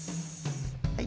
はい。